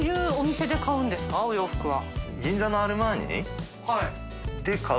お洋服は。